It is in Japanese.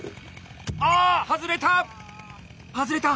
ああ外れた！